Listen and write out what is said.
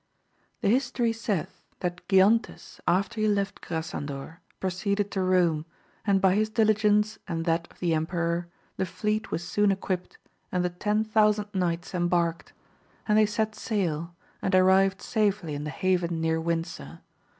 HE history saith, that Giontes after he left Graeandor proceeded to Rome, and by his diligence and that of the emperor, the fleet was soon equipped and the ten thousand knights em barked, and they set sail, and arrived safely in the haven near Windsor.